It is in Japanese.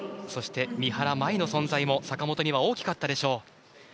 そして、三原舞依の存在も大きかったでしょう。